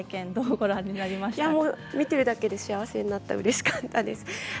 見ているだけで幸せになってうれしかったです。